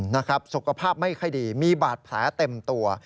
นะครับสุขภาพไม่ค่อยดีมีบาดแผลเต็มตัว